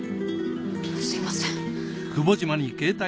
すみません。